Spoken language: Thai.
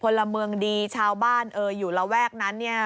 พลเมืองดีชาวบ้านอยู่ระแวกนั้น